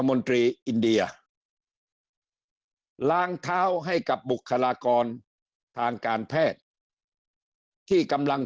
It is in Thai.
มนตรีอินเดียล้างเท้าให้กับบุคลากรทางการแพทย์ที่กำลัง